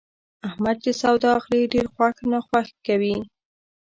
احمد چې سودا اخلي، ډېر خوښ ناخوښ کوي.